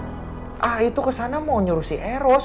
a'a itu ke sana mau nyuruh si eros